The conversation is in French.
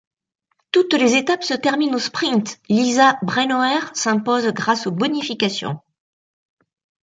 Toutes les étapes se terminent au sprint, Lisa Brennauer s'impose grâce aux bonifications.